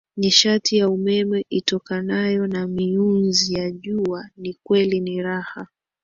nishati ya umeme itokanayo na miyunzi ya jua ni kweli ni raha